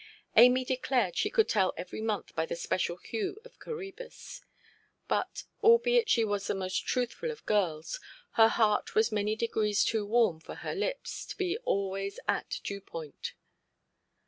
Amy declared she could tell every month by the special hue of Coræbus; but, albeit she was the most truthful of girls, her heart was many degrees too warm for her lips to be always at dew–point.